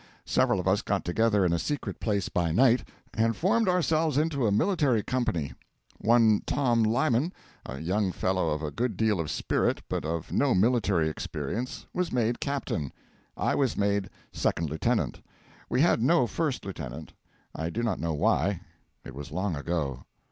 Several of us got together in a secret place by night and formed ourselves into a military company. One Tom Lyman, a young fellow of a good deal of spirit but of no military experience, was made captain; I was made second lieutenant. We had no first lieutenant; I do not know why; it was long ago.